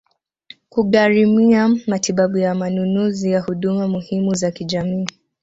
kugharimia matibabu na manunuzi ya huduma muhimu za kijamii